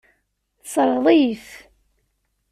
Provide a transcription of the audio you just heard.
Tesseṛɣeḍ-iyi-t.